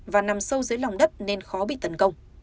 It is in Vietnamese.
và nằm sâu dưới lòng đất nên khó bị tấn công